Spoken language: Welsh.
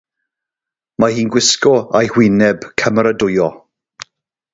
Mae hi'n gwisgo ei hwyneb cymeradwyo.